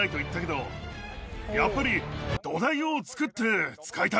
やっぱり。